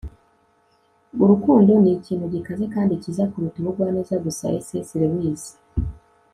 urukundo ni ikintu gikaze kandi cyiza kuruta ubugwaneza gusa - c s lewis